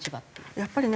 やっぱりね私